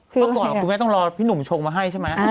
เมื่อก่อนคุณแม่ต้องรอพี่หนุ่มชงมาให้ใช่ไหม